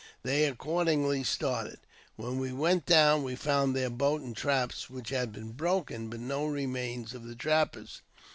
They accordingly started. When we went down we found their boat and traps, which had been broken, but no 'remains of the trappers.